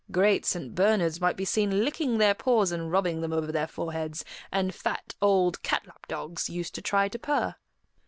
Great St. Bernards might be seen licking their paws and rubbing them over their foreheads, and fat, old cat lap dogs used to try to purr.